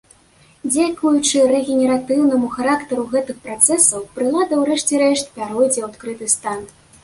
Дзякуючы рэгенератыўнаму характару гэтых працэсаў прылада ў рэшце рэшт пяройдзе ў адкрыты стан.